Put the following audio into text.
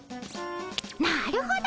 なるほど！